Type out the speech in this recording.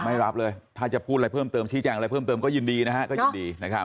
ไม่รับเลยถ้าจะพูดอะไรเพิ่มเติมชี้แจงอะไรเพิ่มเติมก็ยินดีนะฮะก็ยินดีนะครับ